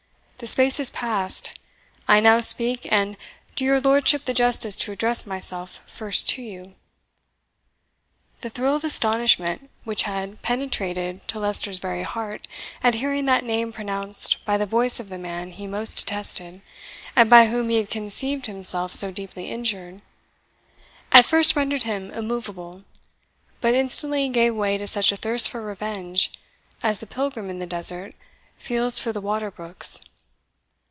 The space is passed, I now speak, and do your lordship the justice to address myself first to you." The thrill of astonishment which had penetrated to Leicester's very heart at hearing that name pronounced by the voice of the man he most detested, and by whom he conceived himself so deeply injured, at first rendered him immovable, but instantly gave way to such a thirst for revenge as the pilgrim in the desert feels for the water brooks.